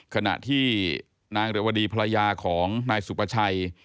ขณะที่นางเรวดีภรรยาของนายสุประชัย